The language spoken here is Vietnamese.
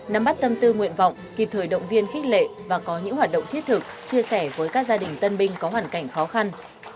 nắm bắt tâm tư nguyện vọng kịp thời động viên khích lệ và có những hoạt động thiết thực chia sẻ với các gia đình tân binh có hoàn cảnh khó khăn